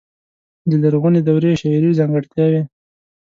د لرغونې دورې شعري ځانګړتياوې.